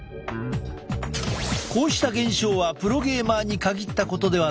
こうした現象はプロゲーマーに限ったことではない。